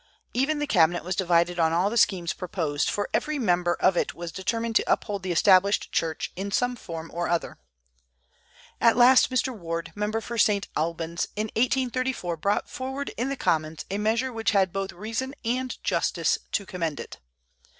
Even the cabinet was divided on all the schemes proposed; for every member of it was determined to uphold the Established Church, in some form or other. At last Mr. Ward, member for St. Albans, in 1834 brought forward in the Commons a measure which had both reason and justice to commend it.